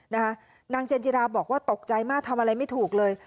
นางเจนจิราบอกว่าตกใจมากทำอะไรไม่ถูกเลย